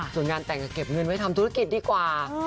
ส่วนงานแต่งจะเก็บเงินไว้ทำธุรกิจดีกว่า